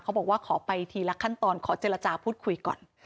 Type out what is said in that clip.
บอกว่าขอไปทีละขั้นตอนขอเจรจาพูดคุยก่อน